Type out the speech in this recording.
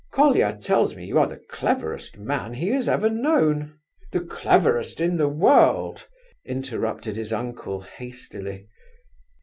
Colia tells me you are the cleverest man he has ever known...." "The cleverest in the world," interrupted his uncle hastily.